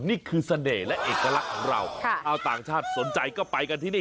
เสน่ห์และเอกลักษณ์ของเราชาวต่างชาติสนใจก็ไปกันที่นี่